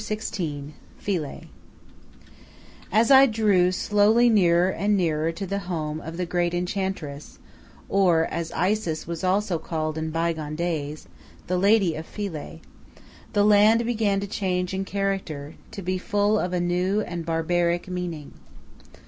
XVI PHILAE As I drew slowly nearer and nearer to the home of "the great Enchantress," or, as Isis was also called in bygone days, "the Lady of Philae," the land began to change in character, to be full of a new and barbaric meaning.